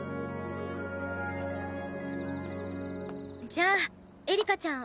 じゃあエリカちゃん